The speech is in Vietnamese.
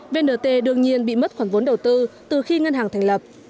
vnt đương nhiên bị mất khoản vốn đầu tư từ khi ngân hàng thành lập